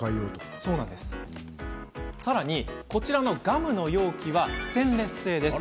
こちらのガムの容器はステンレス製です。